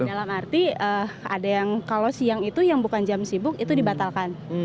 dalam arti ada yang kalau siang itu yang bukan jam sibuk itu dibatalkan